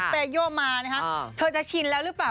เตโยมานะคะเธอจะชินแล้วหรือเปล่า